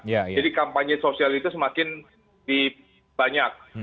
jadi kampanye sosial itu semakin banyak